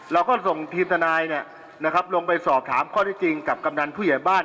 เราก็ส่งทีมทนายเนี่ยนะครับลงไปสอบถามข้อได้จริงกับกำดันผู้ใหญ่บ้าน